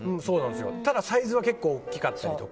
ただ、サイズは結構大きかったりとか。